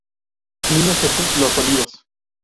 Niño Jesus Los Olivos.